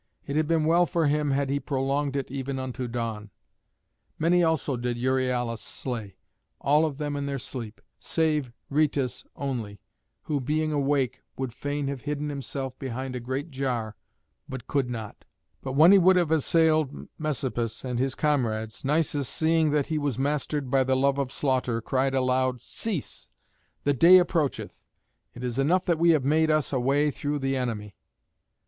It had been well for him had he prolonged it even unto dawn. Many also did Euryalus slay, all of them in their sleep, save Rhœtus only, who, being awake, would fain have hidden himself behind a great jar, but could not. But when he would have assailed Messapus and his comrades, Nisus, seeing that he was mastered by the love of slaughter, cried aloud, "Cease: the day approacheth. It is enough that we have made us a way through the enemy."